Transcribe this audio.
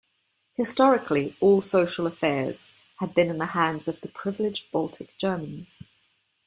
Historically, all social affairs had been in the hands of the privileged Baltic Germans.